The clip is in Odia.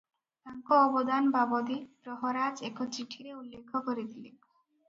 ତାଙ୍କ ଅବଦାନ ବାବଦେ ପ୍ରହରାଜ ଏକ ଚିଠିରେ ଉଲ୍ଲେଖ କରିଥିଲେ ।